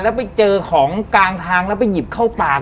แล้วไปเจอของกลางทางแล้วไปหยิบเข้าปาก